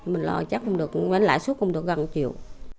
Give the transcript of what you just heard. mình lo chắc cũng được lãi suất cũng được gần một triệu